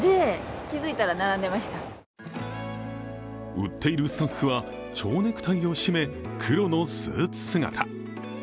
売っているスタッフはちょうネクタイを締め黒のスーツ姿。